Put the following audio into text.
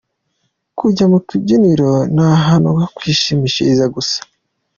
Kujya mu kabyiniro ni ahantu ho kwishimishiriza gusa.